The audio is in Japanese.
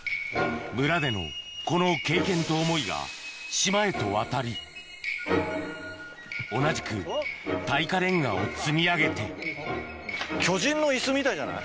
村でのこの経験と思いが島へと渡り同じく耐火レンガを積み上げて巨人の椅子みたいじゃない？